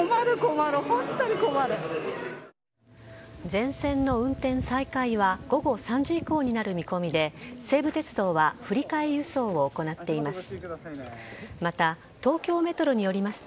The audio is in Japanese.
全線の運転再開は午後３時以降になる見込みで西武鉄道は振り替え輸送を行っています。